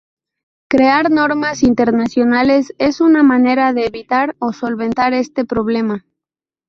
Crear normas internacionales es una manera de evitar o solventar este problema.